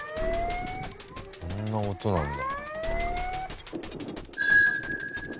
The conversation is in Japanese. こんな音なんだ。